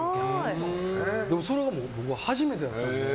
それは僕は初めてやったんで。